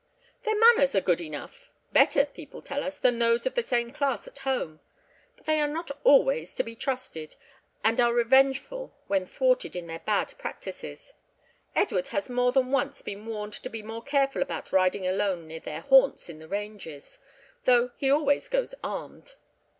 "Their manners are good enough; better, people tell us, than those of the same class at home. But they are not always to be trusted, and are revengeful when thwarted in their bad practices. Edward has more than once been warned to be more careful about riding alone near their haunts in the ranges, though he always goes armed."